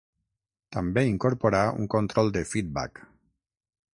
També incorporà un control de feedback.